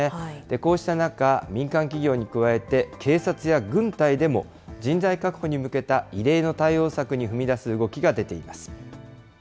こうした中、民間企業に加えて、警察や軍隊でも、人材確保に向けた異例の対応策に踏み出す動きが出ています。